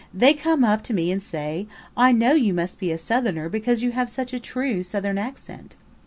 They come up to me and say 'I know you must be a Southerner because you have such a true Southern accent.'